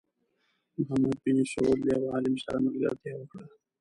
محمد بن سعود له یو عالم سره ملګرتیا وکړه.